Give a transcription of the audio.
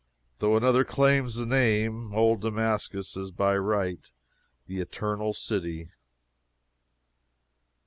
Though another claims the name, old Damascus is by right the Eternal City.